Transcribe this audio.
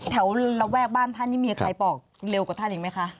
ระแวกบ้านท่านนี่มีใครบอกเร็วกว่าท่านอีกไหมคะ